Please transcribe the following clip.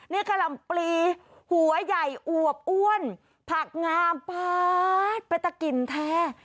นี่กะหล่ำปลีหัวใหญ่อวบอ้วนผักงามป๊าดไปตะกินแท้